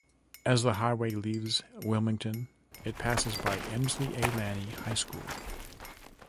As the highway leaves Wilmington, it passes by Emsley A. Laney High School.